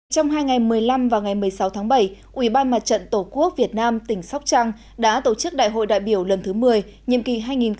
trong hai ngày một mươi năm và ngày một mươi sáu tháng bảy ủy ban mặt trận tổ quốc việt nam tỉnh sóc trăng đã tổ chức đại hội đại biểu lần thứ một mươi nhiệm kỳ hai nghìn một mươi chín hai nghìn hai mươi bốn